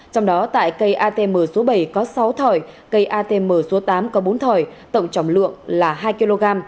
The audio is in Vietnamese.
trong đó tại cây atm số bảy có sáu thỏi cây atm số tám có bốn thỏi tổng trọng lượng là hai kg